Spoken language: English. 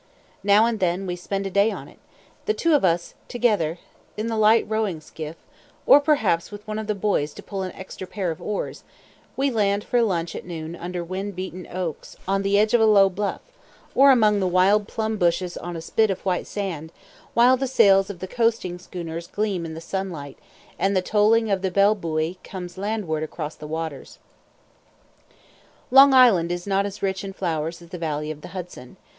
Now and then we spend a day on it, the two of us together in the light rowing skiff, or perhaps with one of the boys to pull an extra pair of oars; we land for lunch at noon under wind beaten oaks on the edge of a low bluff, or among the wild plum bushes on a spit of white sand, while the sails of the coasting schooners gleam in the sunlight, and the tolling of the bell buoy comes landward across the waters. Long Island is not as rich in flowers as the valley of the Hudson.